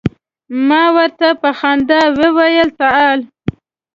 ما ورته په خندا وویل تعال.